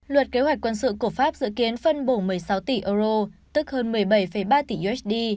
luật kế hoạch quân sự của pháp dự kiến phân bổ một mươi sáu tỷ euro tức hơn một mươi bảy ba tỷ usd